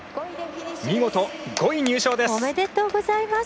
見事、５位入賞です！